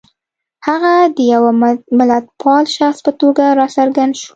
هغه د یوه ملتپال شخص په توګه را څرګند شو.